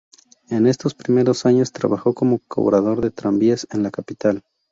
En estos primeros años trabajó como cobrador de tranvías en la capital.